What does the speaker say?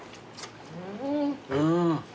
うん。